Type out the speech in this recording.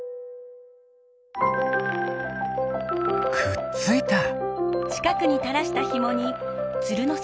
くっついた。